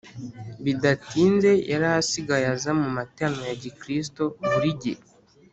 Bidatinze yari asigaye aza mu materaniro ya gikristo buri gihe